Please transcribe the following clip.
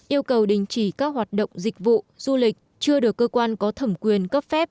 yêu cầu đình chỉ các hoạt động dịch vụ du lịch chưa được cơ quan có thẩm quyền cấp phép